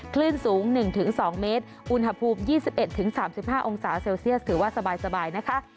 คลื่นสูง๑๒เมตรอุณหภูมิ๒๑๓๕องศาเซลเซียสถือว่าสบายนะคะ